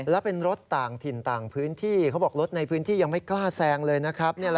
และเป็นรถต่างถิ่นต่างพื้นที่เขาบอกรถในพื้นที่ยังไม่กล้าแซงเลยนะครับ